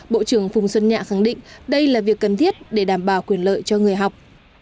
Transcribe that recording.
bộ trưởng phùng xuân nhạ khẳng định đây là việc cần thiết để đảm bảo quyền lợi cho người học